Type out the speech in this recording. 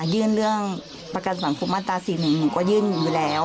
ยื่นเรื่องประกันสังคมมาตรา๔๑หนูก็ยื่นหนูอยู่แล้ว